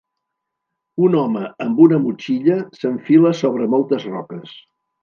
Un home amb una motxilla s'enfila sobre moltes roques.